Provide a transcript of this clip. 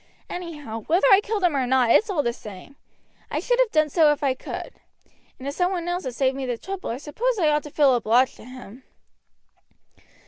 Anyhow, whether I killed him or not it's all the same. I should have done so if I could. And if some one else has saved me the trouble I suppose I ought to feel obliged to him."